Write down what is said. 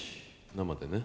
生でね。